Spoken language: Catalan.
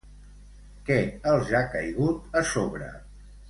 Què els ha caigut a sobre?